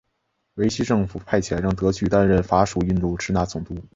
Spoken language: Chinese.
维希政府派遣让德句担任法属印度支那总督。